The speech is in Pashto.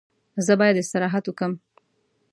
زه باید استراحت وکړم.